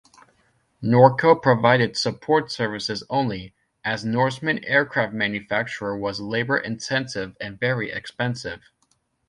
Norco provided support services only, as Norseman aircraft manufacture was labor-intensive and very expensive.